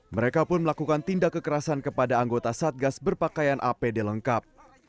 mereka pun melakukan tindak kekerasan kepada anggota satgas berpakaian apd lengkap